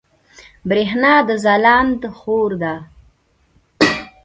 برېښنا د ځلاند خور ده